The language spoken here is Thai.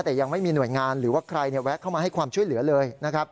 แต่ยังไม่มีหน่วยงานหรือว่าใครแวะเข้ามาให้ความช่วยเหลือเลยนะครับ